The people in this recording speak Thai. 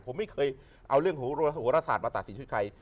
ผมไม่เคยเอาเรื่องโหรศาสตร์มาตัดสินชื่อใคร